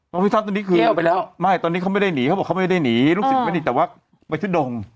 คุณพุทธะตอนนี้คือไม่ตอนนี้เขาไม่ได้หนีเขาบอกเขาไม่ได้หนีลูกศึกไม่หนีแต่ว่าไปทุดง